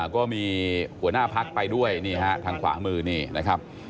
ก็มีหัวหน้าภักดิ์ไปด้วยทางขวามือนี่